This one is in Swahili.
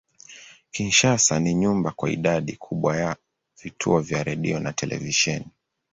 Kinshasa ni nyumbani kwa idadi kubwa ya vituo vya redio na televisheni.